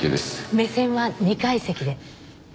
目線は２階席で。